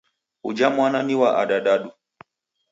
Ujha mwana ni wa adadadu